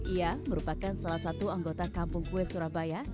ia merupakan salah satu anggota kampung kue surabaya